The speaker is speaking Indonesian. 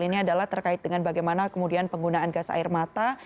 ini adalah terkait dengan bagaimana kemudian penggunaan gas air mata